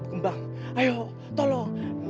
eh tapi lihat tuh